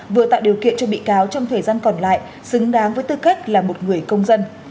vừa tạo điều kiện cho bị cáo trong thời gian còn lại xứng đáng với tư cách là một người công dân